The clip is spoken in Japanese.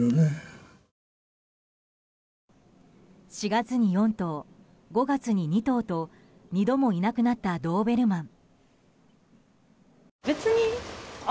４月に４頭、５月に２頭と２度もいなくなったドーベルマン。